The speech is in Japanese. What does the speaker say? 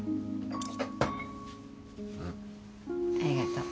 ありがとう。